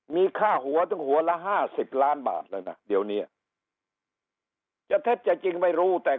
มีค่าหัวหัวละ๕๐ล้านบาทเลยนะเดี๋ยวนี้จะจริงไม่รู้แต่